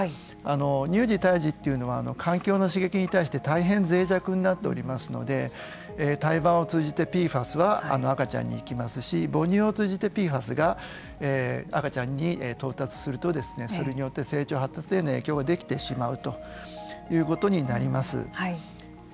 乳児、胎児というのは環境の刺激に対して大変ぜい弱になっておりますので胎盤を通じてＰＦＡＳは赤ちゃんに行きますし母乳を通じてＰＦＡＳが赤ちゃんに到達するとそれによって成長、発達への影響が出てきてしまうということになります。